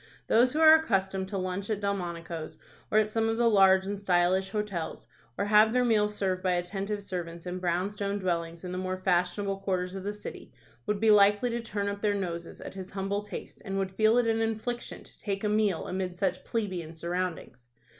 Those who are accustomed to lunch at Delmonico's, or at some of the large and stylish hotels, or have their meals served by attentive servants in brown stone dwellings in the more fashionable quarters of the city, would be likely to turn up their noses at his humble taste, and would feel it an infliction to take a meal amid such plebeian surroundings.